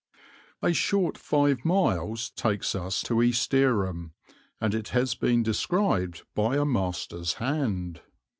A short five miles takes us to East Dereham, and it has been described by a master's hand.